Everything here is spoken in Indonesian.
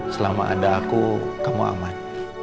selama ada aku kamu aman